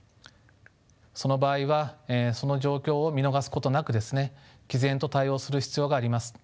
その場合はその状況を見逃すことなくですねきぜんと対応する必要があります。